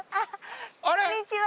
こんにちは。